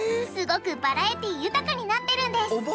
すごくバラエティー豊かになってるんです！